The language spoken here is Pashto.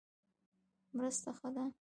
مرسته ښه ده.